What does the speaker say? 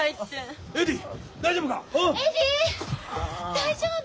大丈夫！？